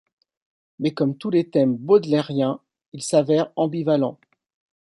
Mais comme tous les thèmes baudelairiens, il s'avère ambivalent.